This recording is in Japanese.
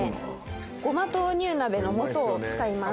ごま豆乳鍋の素を使います。